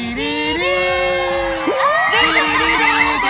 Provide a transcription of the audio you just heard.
จะเป็นอย่างนี้หรอ